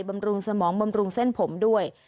บำรุงสมองบำรุงเส้นผมด้วย